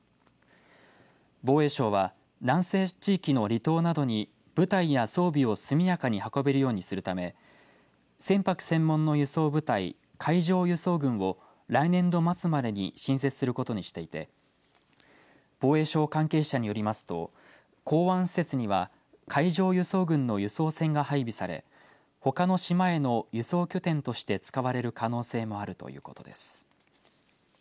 防衛省は南西地域の離島などに部隊や装備を速やかに運べるようにするため船舶専門の輸送部隊海上輸送群を来年度末までに新設することにしていて防衛省関係者によりますと港湾施設には海上輸送群の輸送船が配備されほかの島への輸送拠点として使われる可能性もあるということです。